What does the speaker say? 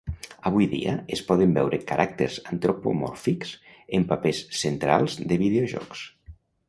Avui dia, es poden veure caràcters antropomòrfics en papers centrals de videojocs.